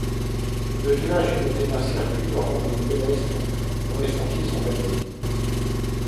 Le village est doté d’un circuit de randonnée pédestre dont les sentiers sont balisés.